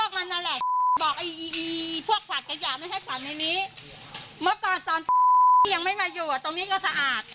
เมื่อตอนตอนที่ยังไม่มาอยู่ตรงนี้ก็สะอาด